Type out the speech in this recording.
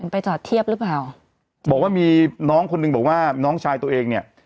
ไปจอดเทียบหรือเปล่าบอกว่ามีน้องคนหนึ่งบอกว่าน้องชายตัวเองเนี่ย